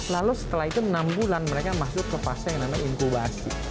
lalu setelah itu enam bulan mereka masuk ke fase yang namanya inkubasi